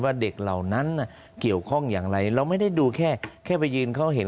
เด็กเหล่านั้นเกี่ยวข้องอย่างไรเราไม่ได้ดูแค่แค่ไปยืนเขาเห็น